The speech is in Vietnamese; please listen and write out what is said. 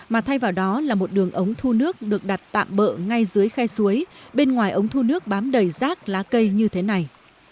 mà thay vào đó là một đường ống thu nước được đặt tạm bỡ ngay dưới khe suối bên ngoài ống thu nước bám đầy rác lá cây như thế này